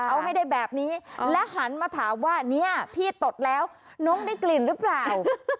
เอาให้ได้แบบนี้และหันมาถามว่าเนี่ยพี่ตดแล้วน้องได้กลิ่นหรือเปล่า